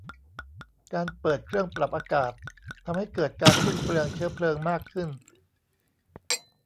การเปิดเครื่องปรับอากาศทำให้เกิดการสิ้นเปลืองเชื้อเพลิงมากขึ้น